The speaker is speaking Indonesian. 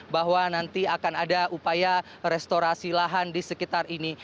bahwa nanti akan ada upaya restorasi lahan di sekitar ini